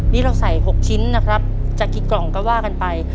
นี่เราใส่๖ชิ้นนะครับจะกี่กล่องก็ว่ากันไป